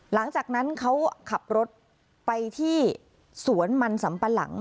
หลังจากนั้นเขาขับรถไปที่สวนมันสำปะหลัง